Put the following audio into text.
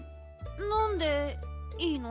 のんでいいの？